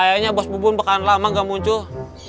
kayaknya bos bubun bakalan lama gak muncul